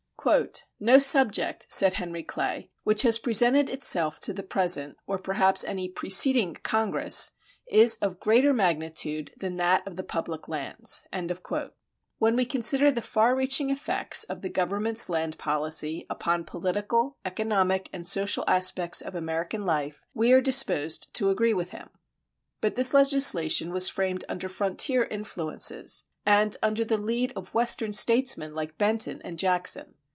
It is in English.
[26:1] "No subject," said Henry Clay, "which has presented itself to the present, or perhaps any preceding, Congress, is of greater magnitude than that of the public lands." When we consider the far reaching effects of the government's land policy upon political, economic, and social aspects of American life, we are disposed to agree with him. But this legislation was framed under frontier influences, and under the lead of Western statesmen like Benton and Jackson.